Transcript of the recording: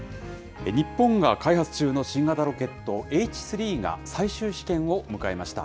日本が開発中の新型ロケットＨ３が最終試験を迎えました。